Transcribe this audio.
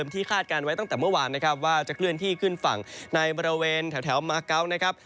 ที่ขึ้นฝั่งในบริเวณแถวมาเกาะ